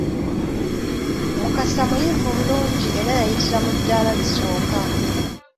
Mukasa muyivu bulungi era yayitira mu ddaala lisooka.